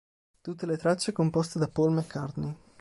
Tutte le tracce composte da Paul McCartney.